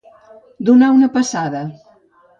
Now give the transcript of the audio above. Donar una passada.